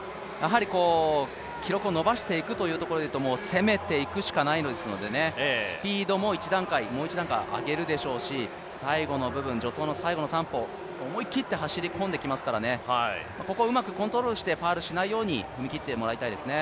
記録を伸ばしていくというところでいうと、攻めていくしかないので、スピードももう一段階上げるでしょうし最後の部分、助走の最後の３歩思い切って走り込んできますからここはうまくコントロールして踏み切っていただきたいですね。